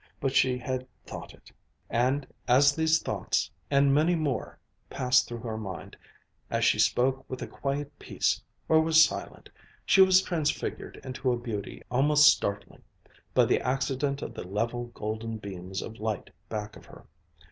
But she had thought it. And, as these thoughts, and many more, passed through her mind, as she spoke with a quiet peace, or was silent, she was transfigured into a beauty almost startling, by the accident of the level golden beams of light back of her.